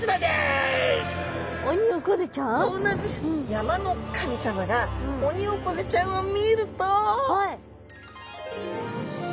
山の神様がオニオコゼちゃんを見ると。